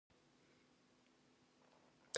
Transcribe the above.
パイナップルの産地は台湾が有名です。